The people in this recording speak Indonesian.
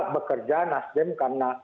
bekerja nasden karena